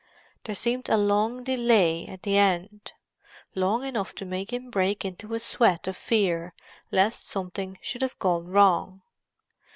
There seemed a long delay at the end—long enough to make him break into a sweat of fear lest something should have gone wrong.